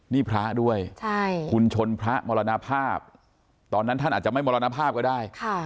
นี่พระด้วยคุณชนพระมรณภาพตอนนั้นท่านอาจจะไม่มรณภาพก็ได้